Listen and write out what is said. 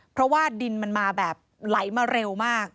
เพราะว่าดินมันมาแบบไหลมาเร็วมาก